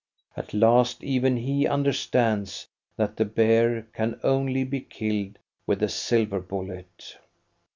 At last even he understands that the bear can only be killed with a silver bullet.